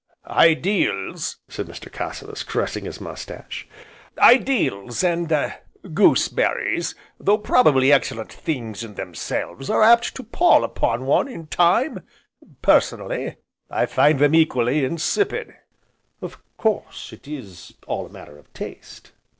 "Ideals," said Mr. Cassilis, caressing his moustache, "ideals and ah goose berries, though probably excellent things in themselves, are apt to pall upon one, in time; personally, I find them equally insipid, " "Of course it is all a matter of taste!"